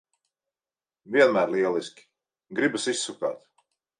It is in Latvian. Vienmēr lieliski! Gribas izsukāt.